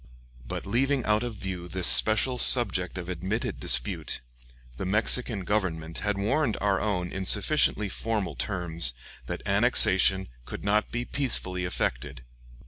] But leaving out of view this special subject of admitted dispute, the Mexican Government had warned our own in sufficiently formal terms that annexation could not be peacefully effected.